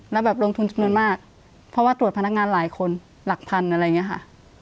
แล้วแบบลงทุนจำนวนมากเพราะว่าตรวจพนักงานหลายคนหลักพันอะไรอย่างนี้ค่ะ